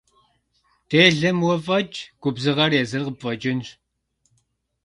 Delem vue f'eç', gubzığer yêzır khıpf'eç'ınş.